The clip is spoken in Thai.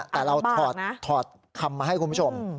แต่เราถอดคำมาให้คุณผู้ชม